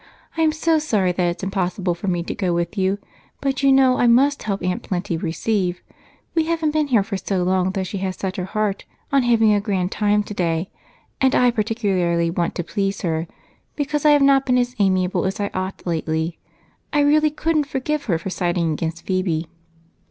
I'm so sorry that it's impossible for me to go with you, but you know I must help Aunty Plen receive. We haven't been here for so long that she had set her heart on having a grand time today, and I particularly want to please her because I have not been as amiable as I ought lately. I really couldn't forgive her for siding against Phebe."